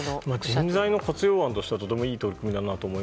人材の活用案としてはとてもいい取り組みだなと。